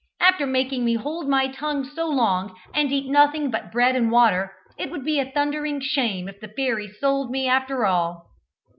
After making me hold my tongue so long, and eat nothing but bread and water, it would be a thundering shame if the fairy sold me after all!"